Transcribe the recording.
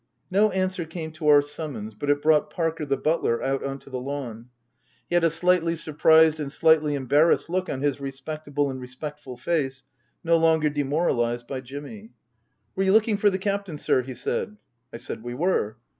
No answer came to our summons, but it brought Parker, the butler, out on to the lawn. He had a slightly surprised and slightly embarrassed look on his respectable and respectful face, no longer demoralized by Jimmy. " Were you looking for the Captain, sir ?" he said. I said we were.